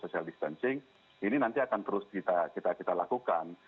ini nanti akan terus kita lakukan